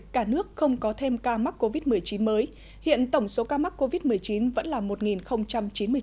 cả nước không có thêm ca mắc covid một mươi chín mới hiện tổng số ca mắc covid một mươi chín vẫn là một chín mươi chín ca